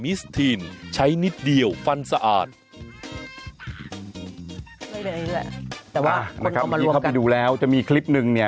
อันนี้เข้าไปดูแล้วจะมีคลิปหนึ่งเนี่ย